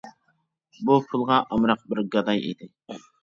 بۇ پۇلغا ئامراق بىر گاداي ئىدى.